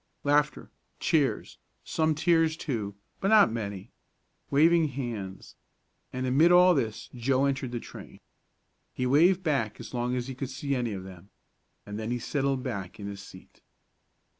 Laughter, cheers, some tears too, but not many, waving hands, and amid all this Joe entered the train. He waved back as long as he could see any of them, and then he settled back in his seat.